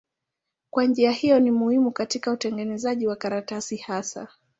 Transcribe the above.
Kwa njia hiyo ni muhimu katika utengenezaji wa karatasi hasa.